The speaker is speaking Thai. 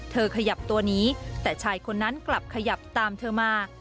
ขยับตัวหนีแต่ชายคนนั้นกลับขยับตามเธอมา